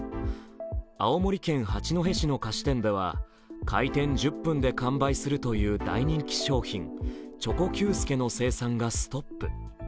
青森県八戸市の菓子店では開店１０分で完売するという大人気商品チョコＱ助の生産がストップ。